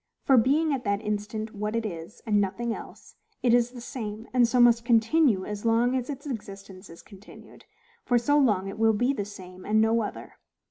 For, being at that instant what it is, and nothing else, it is the same, and so must continue as long as its existence is continued; for so long it will be the same, and no other.